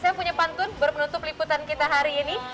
saya punya pantun baru menutup liputan kita hari ini